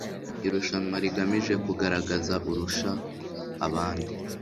irushanwa rigamije kugaragaza urusha abandi